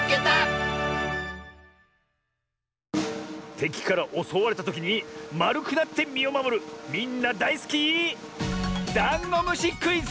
てきからおそわれたときにまるくなってみをまもるみんなだいすきダンゴムシクイズ！